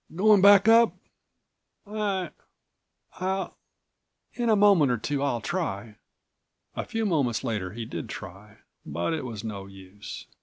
"Going back up?" "I—I'll—In a moment or two I'll try." A few moments later he did try, but it was no use.